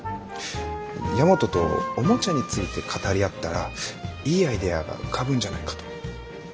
大和とおもちゃについて語り合ったらいいアイデアが浮かぶんじゃないかと。